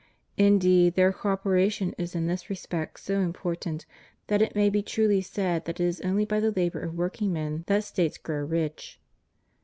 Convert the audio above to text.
Indeed, their co operation is in this respect so important that it may be truly said that it is only by the labor of workingmen that States grow rich.